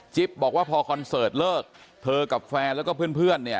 บอกว่าพอคอนเสิร์ตเลิกเธอกับแฟนแล้วก็เพื่อนเนี่ย